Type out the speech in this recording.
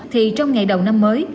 trong ngày đầu năm mới